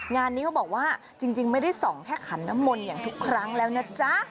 งานนี้เขาบอกว่าจริงไม่ได้ส่องแค่ขันน้ำมนต์อย่างทุกครั้งแล้วนะจ๊ะ